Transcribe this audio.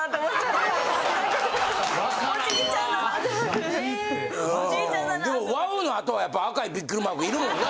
でも「ワォ！」の後はやっぱ赤いビックリマークいるもんな。